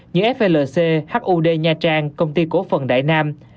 như flc hud nha trang công ty cổ phần đại nam